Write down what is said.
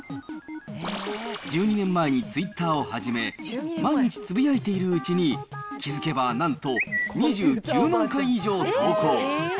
１２年前にツイッターを始め、毎日つぶやいているうちに、気付けば、なんと２９万回以上投稿。